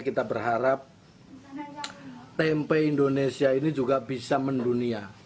kita berharap tempe indonesia ini juga bisa mendunia